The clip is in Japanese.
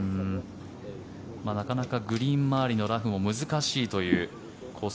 なかなかグリーン周りのラフも難しいというコース